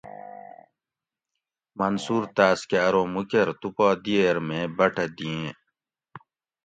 منصور تاۤس کہ ارو مو کر تو پا دیئر میں بٹہ دیئں